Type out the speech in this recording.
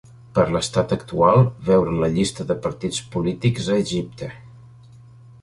Per l'estat actual, veure la llista de partits polítics a Egipte.